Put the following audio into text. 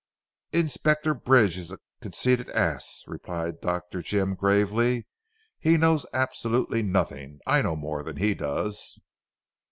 "Inspector Bridge is a conceited ass," replied Dr. Jim gravely. "He knows absolutely nothing. I know more than he does."